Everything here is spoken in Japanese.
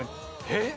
えっ？